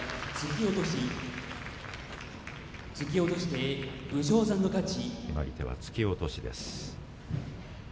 決まり手は突き落としです。